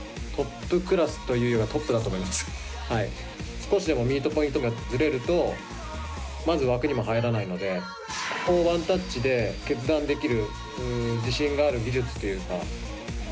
少しでもミートポイントがずれるとまず枠にも入らないのでここをワンタッチで決断できる自信がある技術っていうか。